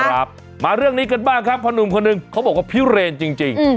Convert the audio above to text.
ครับมาเรื่องนี้กันบ้างครับพ่อหนุ่มคนหนึ่งเขาบอกว่าพิเรนจริง